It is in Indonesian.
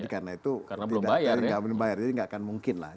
karena itu tidak akan mungkin lah